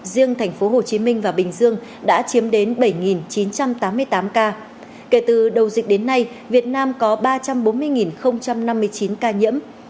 riêng thành phố hồ chí minh và bình dương đã chiếm đến bảy chín trăm tám mươi tám ca kể từ đầu dịch đến nay việt nam có ba trăm bốn mươi năm mươi chín ca nhiễm